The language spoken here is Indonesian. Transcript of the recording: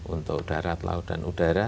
untuk darat laut dan udara